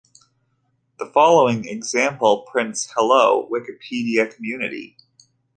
The following example prints Hello Wikipedia Community!